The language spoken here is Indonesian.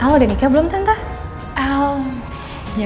halo dan ikut belum tenta